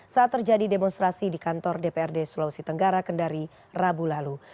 saat terjadi demonstrasi di kantor dprd sulawesi tenggara kendari rabu lalu